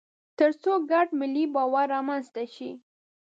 تر څو ګډ ملي باور رامنځته شي.